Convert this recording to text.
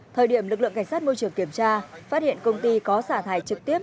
thời điểm lực lượng cảnh sát môi trường kiểm tra phát hiện công ty có xả thải trực tiếp